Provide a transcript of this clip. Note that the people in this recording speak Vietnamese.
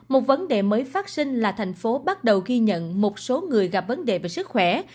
một vấn đề mới phát sinh là thành phố bắt đầu ghi nhận một số người gặp vấn đề về sức khỏe